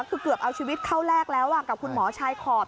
คือเกือบเอาชีวิตเข้าแรกแล้วกับคุณหมอชายขอบ